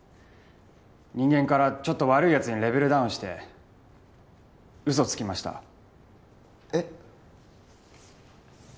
人間からちょっと悪いやつにレベルダウンしてウソつきましたえっ？